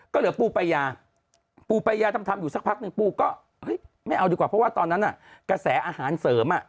ก็เหลือปูปายาปูปายาทำทำอยู่สักพักหนึ่งปูก็ไม่เอาดีกว่าเพราะว่าตอนนั้นกระแสอาหารเสริมอ่ะ